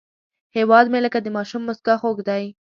هیواد مې لکه د ماشوم موسکا خوږ دی